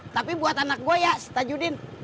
tapi buat anak gue ya setan judin